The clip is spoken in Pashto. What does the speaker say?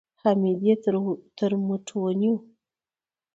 حميديې تر مټ ونيو.